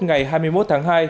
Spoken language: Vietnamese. ngày hai mươi một tháng hai